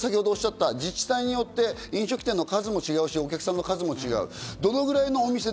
坂口さんがおっしゃった、自治体によって飲食店の数も違うし、お客さんの数も違う。